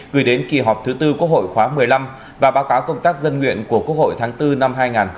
gửi đến kỳ họp thứ tư quốc hội khóa một mươi năm và báo cáo công tác dân nguyện của quốc hội tháng bốn năm hai nghìn hai mươi